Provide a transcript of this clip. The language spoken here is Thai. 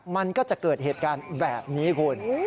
มันก็จะเกิดเหตุการณ์แบบนี้คุณ